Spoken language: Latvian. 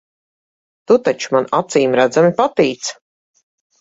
Tu taču man acīmredzami patīc.